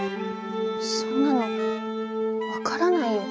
そんなの分からないよ。